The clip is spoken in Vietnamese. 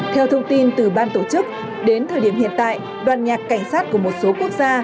theo thông tin từ ban tổ chức đến thời điểm hiện tại đoàn nhạc cảnh sát của một số quốc gia